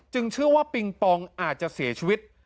เชื่อว่าปิงปองอาจจะเสียชีวิต